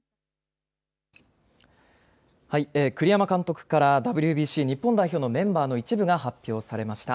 栗山監督からＷＢＣ日本代表のメンバーの一部が発表されました。